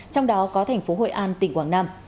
trong đó có thành phố hội an tỉnh quảng nam